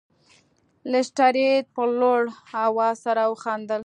لیسټرډ په لوړ اواز سره وخندل.